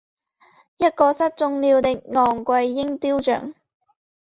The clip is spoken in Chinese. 一个失纵了的昴贵鹰雕像。